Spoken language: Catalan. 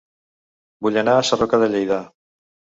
Vull anar a Sarroca de Lleida